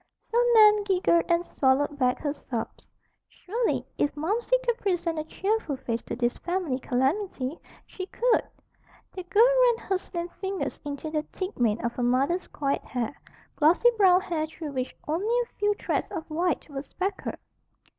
So Nan giggled and swallowed back her sobs. Surely, if Momsey could present a cheerful face to this family calamity, she could! The girl ran her slim fingers into the thick mane of her mother's coiled hair, glossy brown hair through which only a few threads of white were speckled.